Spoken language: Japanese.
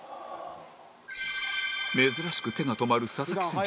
珍しく手が止まる佐々木選手